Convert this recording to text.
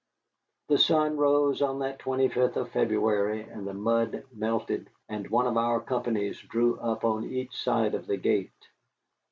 The sun rose on that 25th of February, and the mud melted, and one of our companies drew up on each side of the gate.